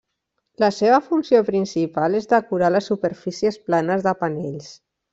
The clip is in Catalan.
La seva funció principal és decorar les superfícies planes de panells.